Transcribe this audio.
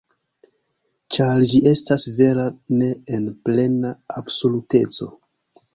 Ĉar ĝi estas vera ne en plena absoluteco.